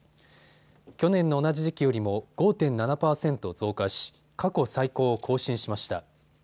去年の同じ時期よりも５．７％増加し、過去最高を更新しました。